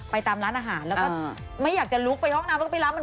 ไปตามร้านอาหารแล้วก็ไม่อยากจะลุกไปห้องน้ำแล้วก็ไปล้าง